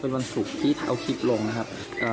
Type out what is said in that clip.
เป็นวันศุกร์ที่เอาคลิปลงนะครับ